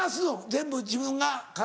全部自分が体。